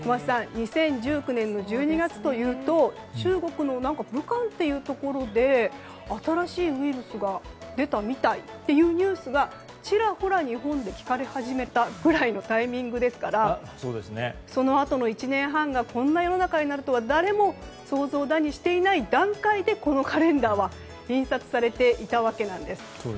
２０１９年の１２月というと中国の武漢っていうところで新しいウイルスが出たみたいというニュースがちらほら日本で聞かれ始めたくらいのタイミングですからそのあとの１年半がこんな世の中になるとは誰も想像だにしていない段階でこのカレンダーは印刷されていたわけなんです。